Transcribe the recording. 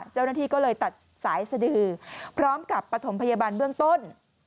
เจ้าหน้าที่ก็เลยตัดสายสดือพร้อมกับปฐมพยาบาลเบื้องต้น